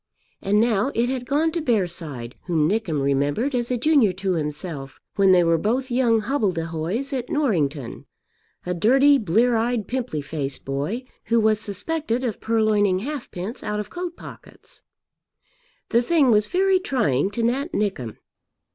And now it had gone to Bearside whom Nickem remembered as a junior to himself when they were both young hobbledehoys at Norrington, a dirty, blear eyed, pimply faced boy who was suspected of purloining halfpence out of coat pockets. The thing was very trying to Nat Nickem.